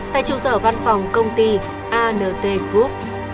tại trụ sở văn phòng công ty ant group